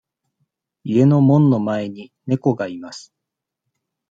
家の門の前に猫がいます。